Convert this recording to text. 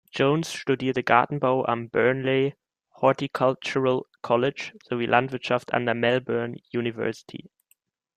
Jones studierte Gartenbau am Burnley Horticultural College sowie Landwirtschaft an der Melbourne University.